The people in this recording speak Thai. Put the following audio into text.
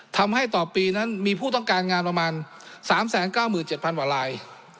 ทำให้ต่อปีนั้นมีผู้ต้องการงานประมาณ๓๙๗๐๐กว่าลาย